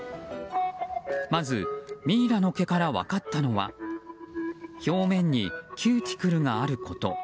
まずミイラの毛から分かったのは表面にキューティクルがあること。